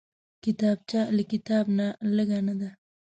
کتابچه له کتاب نه لږ نه ده